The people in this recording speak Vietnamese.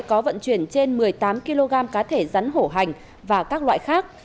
có vận chuyển trên một mươi tám kg cá thể rắn hổ hành và các loại khác